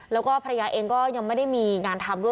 แล้วก็ภรรยาเองก็ยังไม่ได้มีงานทำด้วย